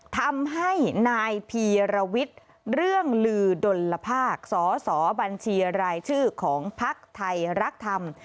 ทำให้นายพีรวิทย์เรื่องลือดลภาคสสบัญชีรายชื่อของภักดิ์ไทยรักธรรม